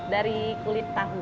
dari kulit tahu